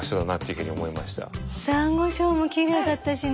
サンゴ礁もきれいだったしね。